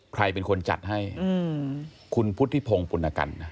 ใครเป็นคนจัดให้คุณพุทธิพงศ์ปุณกันนะ